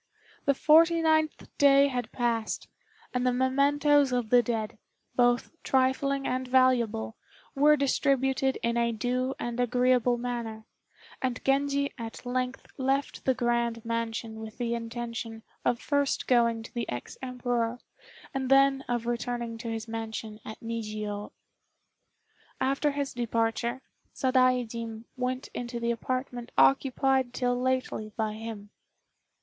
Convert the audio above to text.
The forty ninth day had passed, and the mementoes of the dead, both trifling and valuable, were distributed in a due and agreeable manner; and Genji at length left the grand mansion with the intention of first going to the ex Emperor, and then of returning to his mansion at Nijiô. After his departure, Sadaijin went into the apartment occupied till lately by him.